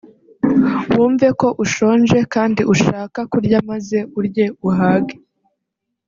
wumve ko ushonje kandi ushaka kurya maze urye uhage